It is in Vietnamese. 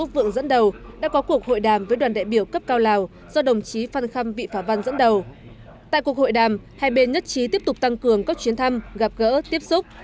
hai bên nhất trí tiếp tục tăng cường các chuyến thăm gặp gỡ tiếp xúc